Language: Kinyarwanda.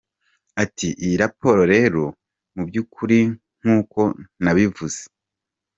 Ati “Iyi raporo rero muby’ukuri nk’uko nabivuze.